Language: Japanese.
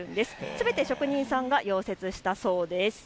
すべて職人さんが溶接したそうです。